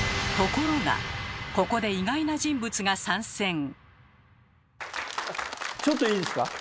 ここで意外な人物が参戦。